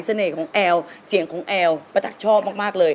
เสน่ห์ของแอลเสียงของแอลปะตั๊กชอบมากเลย